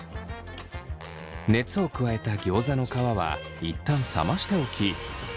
熱を加えたギョーザの皮は一旦冷ましておき